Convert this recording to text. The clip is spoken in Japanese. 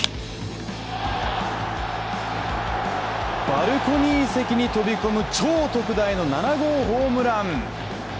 バルコニー席に飛び込む超特大の７号ホームラン。